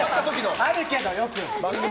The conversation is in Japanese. あるけど、よく。